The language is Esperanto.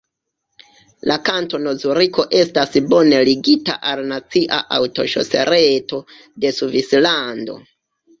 La Kantono Zuriko estas bone ligita al la nacia aŭtoŝose-reto de Svislando.